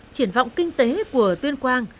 triển vọng kinh tế của tuyên quang